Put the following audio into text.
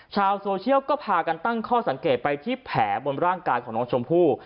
ชาวโซเชียลก็พากันตั้งข้อสังเกตไปที่แผลบนร่างกายของน้องชมพู่